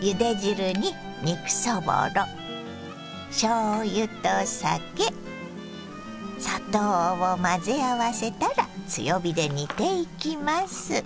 ゆで汁に肉そぼろしょうゆと酒砂糖を混ぜ合わせたら強火で煮ていきます。